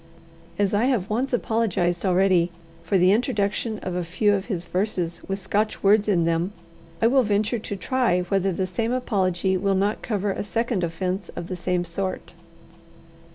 As I have once apologized already for the introduction of a few of his verses with Scotch words in them, I will venture to try whether the same apology will not cover a second offence of the same sort.